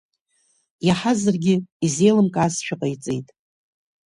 Иаҳазаргьы, изеилымкаазшәа ҟаиҵеит.